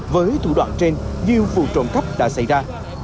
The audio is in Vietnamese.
với thủ đoạn trên nhiều vụ trộm cắp đã xảy ra